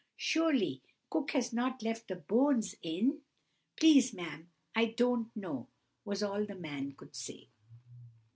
Surely Cook has not left the bones in?' "'Please, ma'am, I don't know,' was all the man could say.